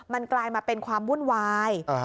มันกลายมาเป็นความวุ่นวาย